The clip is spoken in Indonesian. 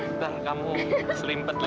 bentar kamu serimpet li